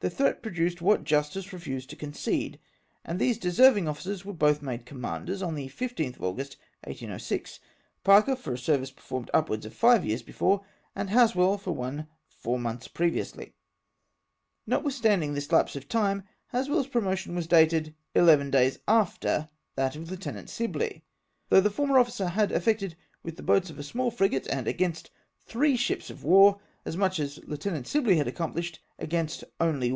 The threat pro duced what justice refused to concede, and these de servino: officers were both made Commanders on the 15th of August, 1806 ; Parker, for a service performed upwards of five years before, and Haswell for one four months previously. Notmthstanding this lapse of time, HasweU's promotion was dated eleven days after that of Lieutenant Sibley ! though the former officer had effected with the boats of a small frigate, and against three ships of war, as much as Lieutenant Sibley had accomphshed against only